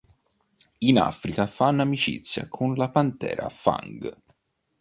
In Africa fanno amicizia con la pantera Fang.